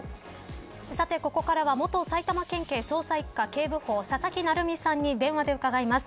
さてここからは、元埼玉県警捜査一課警部補佐々木成三さんに電話で伺います。